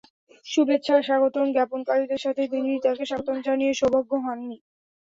শুভেচ্ছা আর স্বাগতম জ্ঞাপনকারীদের সাথে তিনি তাঁকে স্বাগতম জানিয়ে সৌভগ্যবান হননি।